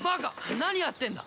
なにやってんだ！